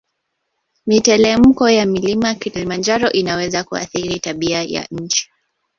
Mitelemko ya mlima kilimanjaro inaweza kuathiri tabia ya nchi